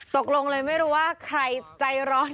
ตกลงเลยไม่รู้ว่าใครใจร้อน